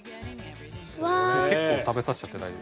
結構食べさせちゃって大丈夫です。